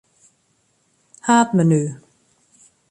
Haadmenu.